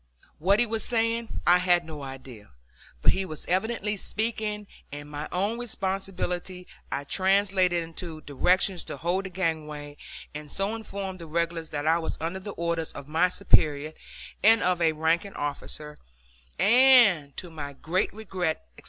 What he was saying I had no idea, but he was evidently speaking, and on my own responsibility I translated it into directions to hold the gangway, and so informed the regulars that I was under the orders of my superior and of a ranking officer, and to my great regret, etc.